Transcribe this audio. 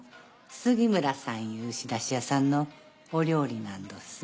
すぎむらさんいう仕出し屋さんのお料理なんどす。